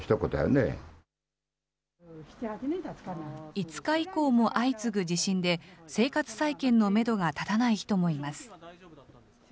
５日以降も相次ぐ地震で、生活再建のメドが立たない人もいます。